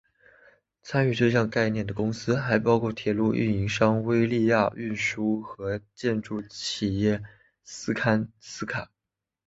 参与这项概念的公司还包括铁路运营商威立雅运输和建筑企业斯堪斯卡。